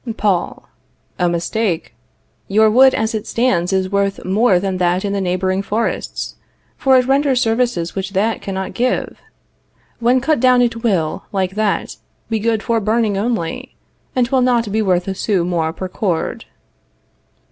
Paul. A mistake. Your wood as it stands is worth more than that in the neighboring forests, for it renders services which that cannot give. When cut down it will, like that, be good for burning only, and will not be worth a sou more per cord.